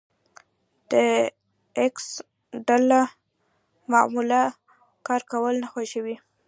د ايکس ډله معمولا کار کول نه خوښوي.